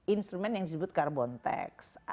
instrumen yang disebut carbon tax